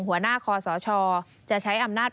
หัวหน้าคอสชจะใช้อำนาจ